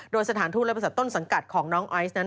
โดยสถานทูตและบริษัทต้นสังกัดของน้องไอซ์นั้น